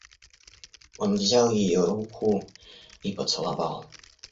Он взял ее руку и поцеловал.